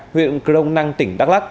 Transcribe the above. huyện crong năng tỉnh đắk lắc